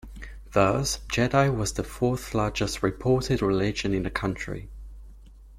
Thus, "Jedi" was the fourth-largest reported religion in the country.